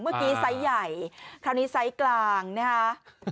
เมื่อกี้ไซส์ใหญ่คราวนี้ไซส์กลางนะคะ